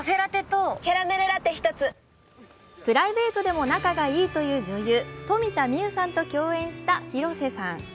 プライベートでも仲がいいという女優、富田望生さんと共演した広瀬さん。